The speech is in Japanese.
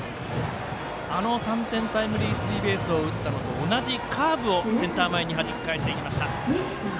あの３点タイムリースリーベースを打ったのと同じカーブをセンター前にはじき返していきました。